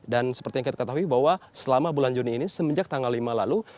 dan seperti yang kita ketahui bahwa selama bulan juni ini semenjak tanggal lima lalu